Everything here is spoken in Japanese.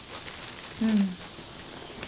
うん。